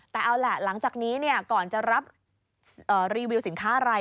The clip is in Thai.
แต่เอาล่ะหลังจากนี้ก่อนจะรับรีวิวสินค้าอะไร